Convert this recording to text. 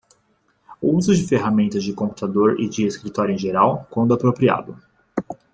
Uso de ferramentas de computador e de escritório em geral, quando apropriado.